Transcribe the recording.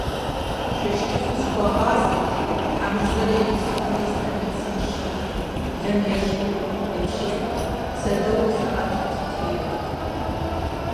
Жэщ кӀыфӀу зыхуагъазэрти, Хьэмырзэрэ и гъусэхэмрэ станицэм щэхуу, блэм ещхьу, епщылӀэрт, зэдэууэ заӀэтырти теуэрт.